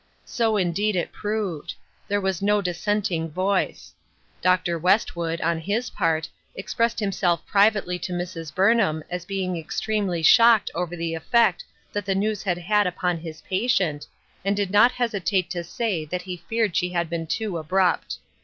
So indeed it proved ; there was no dissenting voice. Dr. Westwood, on his p.irt, expressed himself privately to Mrs. Burnham as being extremely shocked over the effect that 24O BELATED WORK. the news had had upon his patient, and did not hesitate to say that he feared she had been too abrupt.